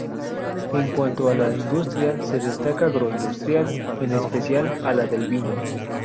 En cuanto a la industria, se destaca agroindustria, en especial, a la del vino.